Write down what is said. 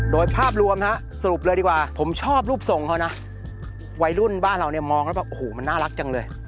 โดยภาพรวมสรุปเลยดีกว่าผมชอบรูปทรงเขานะวัยรุ่นบ้านเราเนี่ยมองแล้วแบบโอ้โหมันน่ารักจังเลย